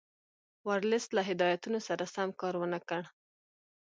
ورلسټ له هدایتونو سره سم کار ونه کړ.